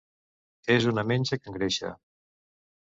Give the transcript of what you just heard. És una menja que engreixa.